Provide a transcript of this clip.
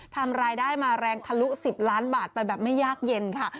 ทำรายได้มาแรงทะลุ๑๐ล้านบาทไปแบบไม่ยากเย็นค่ะ